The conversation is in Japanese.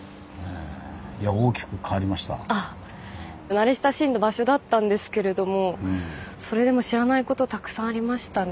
慣れ親しんだ場所だったんですけれどもそれでも知らないことたくさんありましたね。